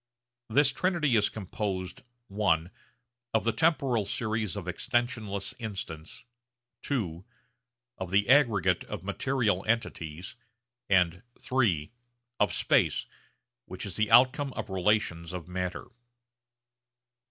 This trinity is composed (i) of the temporal series of extensionless instants, (ii) of the aggregate of material entities, and (iii) of space which is the outcome of relations of matter.